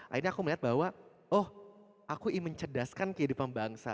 akhirnya aku melihat bahwa oh aku ingin mencerdaskan kehidupan bangsa